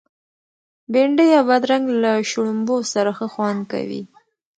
بنډۍ او بادرنګ له شړومبو سره ښه خوند کوي.